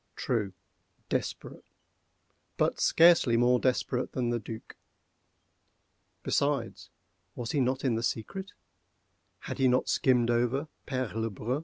True—desperate: but scarcely more desperate than the Duc. Besides, was he not in the secret?—had he not skimmed over Père Le Brun?